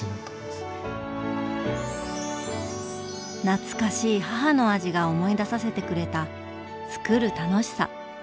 懐かしい母の味が思い出させてくれた「つくる楽しさ」。